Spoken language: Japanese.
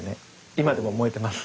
今でも燃えてます。